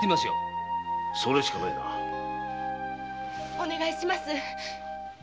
お願いします。